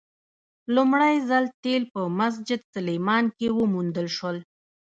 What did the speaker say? لومړی ځل تیل په مسجد سلیمان کې وموندل شول.